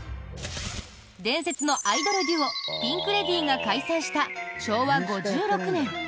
伝説のアイドルデュオピンク・レディーが解散した昭和５６年。